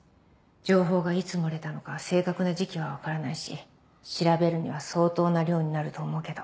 情報がいつ漏れたのか正確な時期は分からないし調べるには相当な量になると思うけど。